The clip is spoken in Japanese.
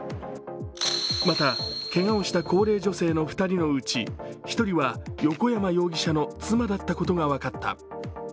また、けがをした高齢女性の２人のうち１人は横山容疑者の妻だったことが分かった。